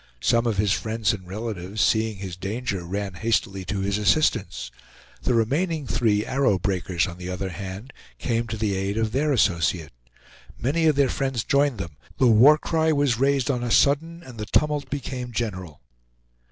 Some of his friends and relatives, seeing his danger, ran hastily to his assistance. The remaining three Arrow Breakers, on the other hand, came to the aid of their associate. Many of their friends joined them, the war cry was raised on a sudden, and the tumult became general.